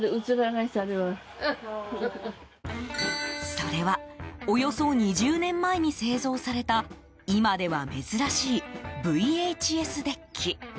それはおよそ２０年前に製造された今では珍しいＶＨＳデッキ。